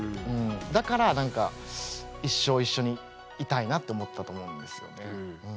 だから一生一緒にいたいなって思ったと思うんですよね。